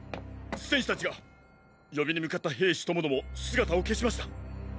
戦士たちが呼びに向かった兵士ともども姿を消しました！！